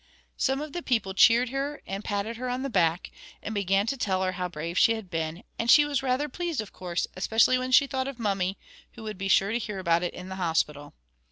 Some of the people cheered her and patted her on the back, and began to tell her how brave she had been; and she was rather pleased, of course, especially when she thought of Mummy, who would be sure to hear about it in hospital.